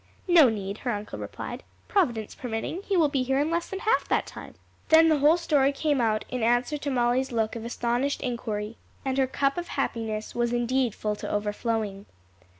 "No need," her uncle replied. "Providence permitting, he will be here in less than half that time." Then the whole story came out in answer to Molly's look of astonished inquiry, and her cup of happiness was indeed full to overflowing.